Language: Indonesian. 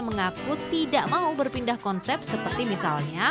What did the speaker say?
mengaku tidak mau berpindah konsep seperti misalnya